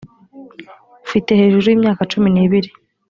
ufite hejuru y imyaka cumi n ibiri